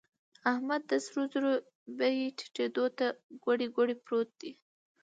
احمد د سرو زرو بيې ټيټېدو ته کوړۍ کوړۍ پروت دی.